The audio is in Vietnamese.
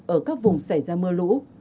ở các vùng xảy ra mưa lũ